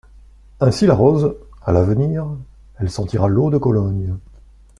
Ainsi la rose, à l’avenir, elle sentira l’eau de Cologne.